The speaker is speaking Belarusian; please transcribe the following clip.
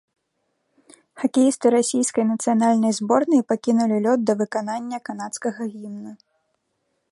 Хакеісты расійскай нацыянальнай зборнай пакінулі лёд да выканання канадскага гімна.